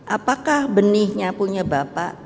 apakah benihnya punya bapak